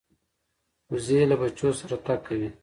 وزې له بچو سره تګ کوي